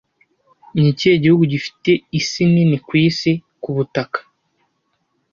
Ni ikihe gihugu gifite isi nini ku isi (ku butaka)